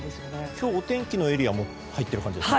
今日、お天気のエリアも入ってる感じですか。